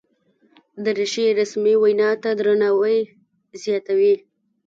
دریشي رسمي وینا ته درناوی زیاتوي.